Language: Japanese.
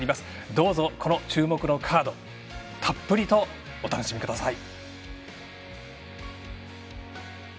どうぞ、この注目のカードたっぷりとお楽しみください。